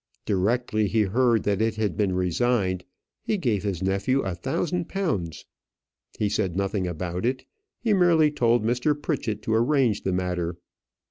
Directly he heard that it had been resigned, he gave his nephew a thousand pounds. He said nothing about it; he merely told Mr. Pritchett to arrange the matter.